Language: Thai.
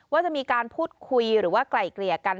ว่าจะมีการพูดคุยหรือว่าไกล่เกลี่ยกัน